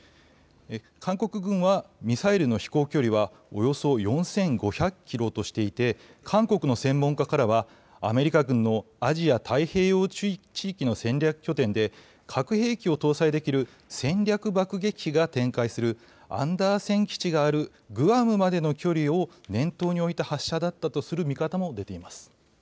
韓国軍はミサイルの飛行距離はおよそ４５００キロとしていて韓国の専門家からはアメリカ軍のアジア太平洋地域の戦略拠点で核兵器を搭載できる戦略爆撃機が展開するアンダーセン基地があるグアムまでの距離を念頭に置いた発射だったとする見方も出ています。